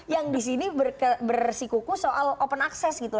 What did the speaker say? yang di sini bersikuku soal open access gitu